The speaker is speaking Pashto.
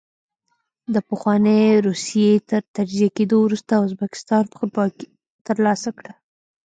د پخوانۍ روسیې تر تجزیه کېدو وروسته ازبکستان خپلواکي ترلاسه کړه.